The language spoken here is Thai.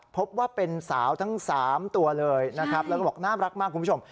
พบว่าเป็นสาวทั้ง๓ตัวเลยนะครับแล้วก็บอกน่ารักมากคุณผู้ชม